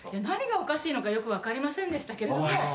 何がおかしいのかよく分かりませんでしたけれども。